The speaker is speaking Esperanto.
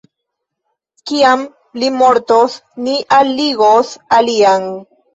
Kiam li mortos, ni alligos alian!